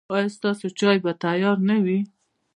ایا ستاسو چای به تیار نه وي؟